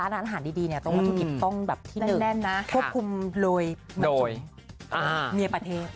เป็นรสชาติที่แบบว่าคนมีฝีมือเขาทำไว้